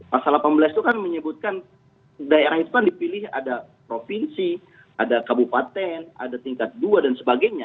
pasal delapan belas itu kan menyebutkan daerah itu kan dipilih ada provinsi ada kabupaten ada tingkat dua dan sebagainya